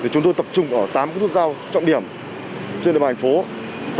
chúng tôi tập trung ở tám nút giao trọng điểm trên địa bàn thành phố